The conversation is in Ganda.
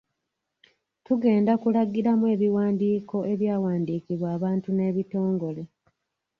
Tugenda kulagiramu ebiwandiiko ebyawandiikibwa abantu n’ebitongole.